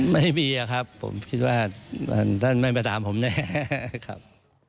ไม่มีครับผมคิดว่าท่านไม่มาถามผมแน่ครับ